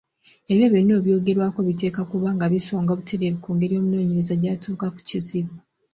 Ebyo byonna ebyogerwako biteekwa okuba nga bisonga butereevu ku ngeri omunoonyereza gy’atuuka ku kizibu.